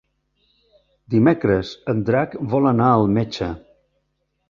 Dimecres en Drac vol anar al metge.